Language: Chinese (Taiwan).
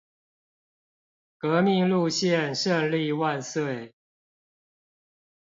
革命路線勝利萬歲